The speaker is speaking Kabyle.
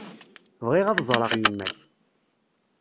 Bɣiɣ ad ẓreɣ yemma-k.